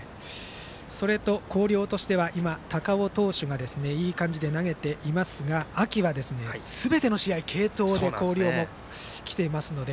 それと広陵としては高尾投手がいい感じで投げていますが秋はすべての試合継投で、広陵も来ていますので。